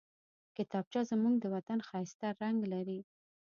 کتابچه زموږ د وطن ښايسته رنګ لري